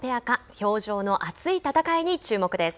氷上の熱い戦いに注目です。